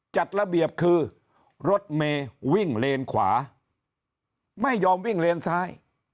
จัดระเบียบคือรถเมย์วิ่งเลนขวาไม่ยอมวิ่งเลนซ้าย